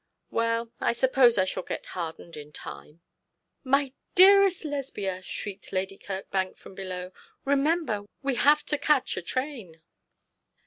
'Well, I suppose I shall get hardened in time.' 'My dearest Lesbia,' shrieked Lady Kirkbank from below, 'remember we have to catch a train.'